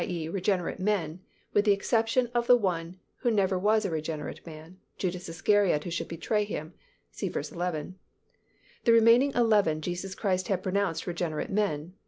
e._, regenerate men—with the exception of the one who never was a regenerate man, Judas Iscariot who should betray Him (see verse 11). The remaining eleven Jesus Christ had pronounced regenerate men.